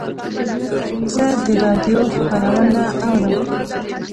زه د رادیو خپرونه اورم.